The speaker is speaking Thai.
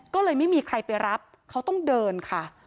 ก็เลยไม่มีใครไปรับเขาต้องเดินค่ะ